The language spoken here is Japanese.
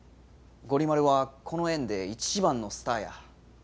ゴリ丸はこの園で一番のスターや。